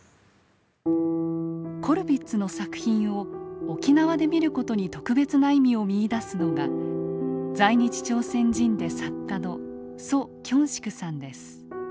コルヴィッツの作品を沖縄で見る事に特別な意味を見いだすのが在日朝鮮人で作家の徐京植さんです。